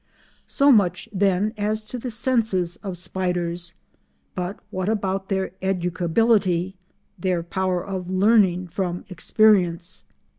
So much, then, as to the senses of spiders; but what about their "educability"—their power of learning from experience?